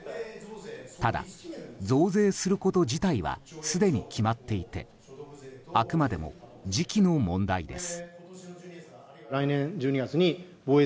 ただ、増税すること自体はすでに決まっていてあくまでも時期の問題です。